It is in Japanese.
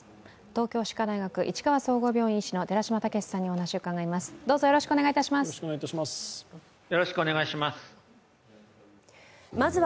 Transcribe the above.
東京歯科大学市川総合病院医師の寺嶋毅さんにお話を伺います。